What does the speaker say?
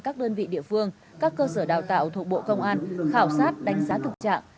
các đơn vị địa phương các cơ sở đào tạo thuộc bộ công an khảo sát đánh giá thực trạng